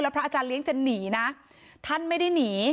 พระอาจารย์เลี้ยงจะหนีนะท่านไม่ได้หนี